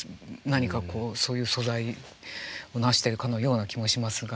何かこうそういう素材をなしてるかのような気もしますが。